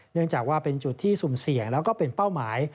เนื่องจากว่าเป็นจุดที่สุ่มเสี่ยงแล้วก็เป็นเป้าหมาย